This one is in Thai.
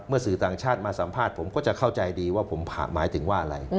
สื่อต่างชาติมาสัมภาษณ์ผมก็จะเข้าใจดีว่าผมผ่าหมายถึงว่าอะไร